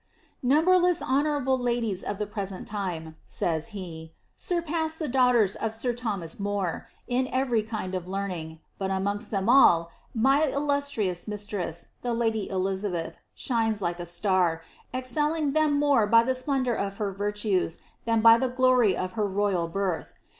^ Numberless honourable ladies of the present time," says he, ^surpass the daughtera of sir Thomas More, in every kind of learning ; but amongst them all, my illustrious mistress, the lady Elizabeth, shines like a star, excelling them more by the splendour of her virtues than by the glory of her royal birth.